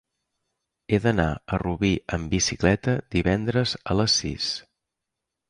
He d'anar a Rubí amb bicicleta divendres a les sis.